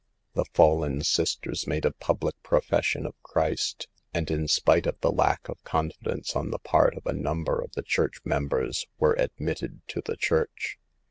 The fallen sisters made a public profession of Christ, and in spite of the lack of confidence on the part of a num ber of the church members, were admitted to the church.